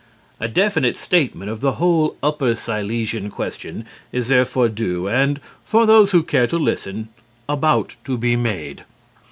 A definite statement of the whole Upper Silesian question is therefore due, and, for those who care to listen, about to be made.